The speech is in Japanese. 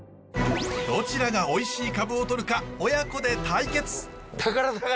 どちらがおいしいカブをとるか親子で対決。